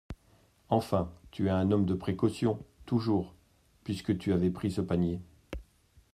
Enfin, tu es un homme de précaution, toujours … puisque tu avais pris ce panier.